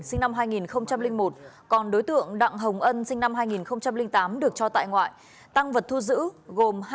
sinh năm hai nghìn một còn đối tượng đặng hồng ân sinh năm hai nghìn tám được cho tại ngoại tăng vật thu giữ gồm